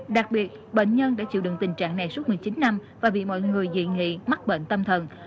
đặc biệt bệnh nhân đã chịu đựng tình trạng này suốt một mươi chín năm và bị mọi người dị nghị mắc bệnh tâm thần